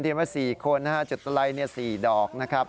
ทีมว่า๔คนนะฮะจุดตลัยเนี่ย๔ดอกนะครับ